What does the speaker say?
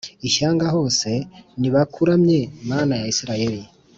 ishyanga hose nibakuramye mana ya isiraheli